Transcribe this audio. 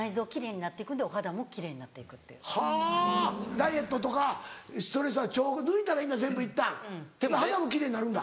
ダイエットとかしとる人は腸抜いたらいいんだ全部いったん肌も奇麗になるんだ。